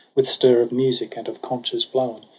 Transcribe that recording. With stir of music and of conches blown.